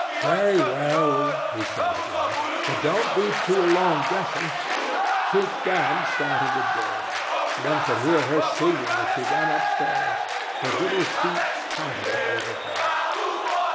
"Very well," he said at last, "but don't be too long dressing." She danced out of the door. One could hear her singing as she ran upstairs. Her little feet pattered overhead.